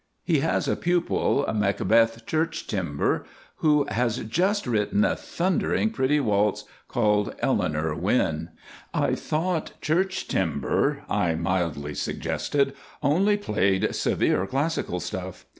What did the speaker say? He has a pupil, Macbeth Churchtimber, who has just written a thundering pretty waltz called 'Eleanor Wynne.'" "I thought Churchtimber," I mildly suggested, "only played severe classical stuff."